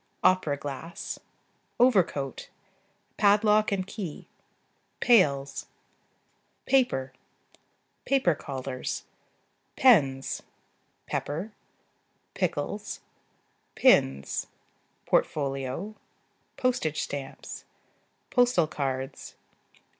Opera glass. Overcoat. Padlock and key. Pails. Paper. " collars. Pens. Pepper. Pickles. Pins. Portfolio. Postage stamps. Postal cards.